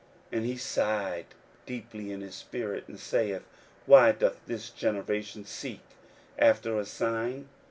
41:008:012 And he sighed deeply in his spirit, and saith, Why doth this generation seek after a sign?